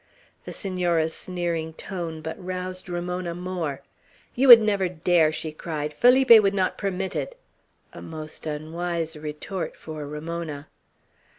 The Senora's sneering tone but roused Ramona more. "You would never dare!" she cried; "Felipe would not permit it!" A most unwise retort for Ramona.